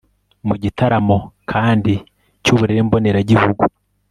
mu gitaramo kandi cy'ubureremboneragihugu